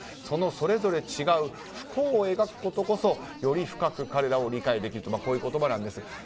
その、それぞれ違う「不幸」を描くことこそより深く彼らを理解できるとこういう言葉なんです。